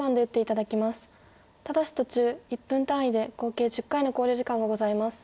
ただし途中１分単位で合計１０回の考慮時間がございます。